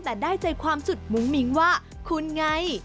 แต่ได้ใจความสุดมุ้งมิ้งว่าคุณไง